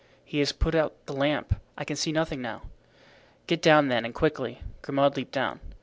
He has put out the lamp, I can see nothing now." "Get down then and quickly." Grimaud leaped down.